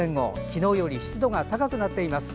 昨日より湿度が高くなっています。